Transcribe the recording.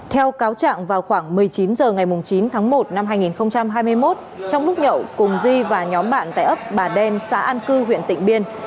theo cáo trạng vào khoảng một mươi chín h ngày chín tháng một năm hai nghìn hai mươi một trong lúc nhậu cùng di và nhóm bạn tại ấp bà đen xã an cư huyện tịnh biên